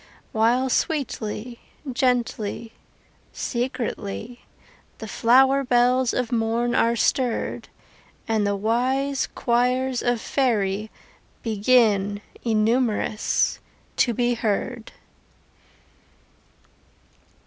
While sweetly, gently, secretly, The flowery bells of morn are stirred And the wise choirs of faery Begin (innumerous!) to be heard.